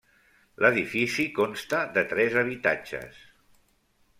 L'edifici consta de tres habitatges.